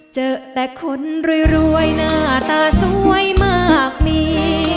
เจอแต่คนรวยหน้าตาสวยมากมี